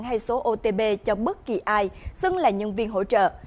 hay số otp cho bất kỳ ai xứng là nhân viên hỗ trợ